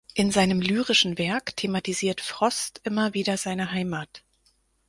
In seinem lyrischen Werk thematisiert Frost immer wieder seine Heimat.